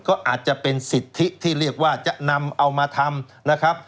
ก็อาจจะเป็นสิทธิที่เรียกว่าจะนำเอามาทำนะครับ